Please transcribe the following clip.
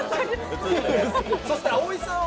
そして青井さんは。